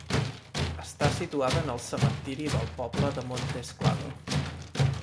Està situada en el cementiri del poble de Montesclado.